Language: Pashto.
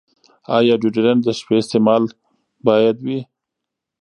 ایا ډیوډرنټ د شپې استعمال باید وي؟